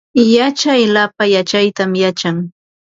Yachaq lapa yachaytam yachan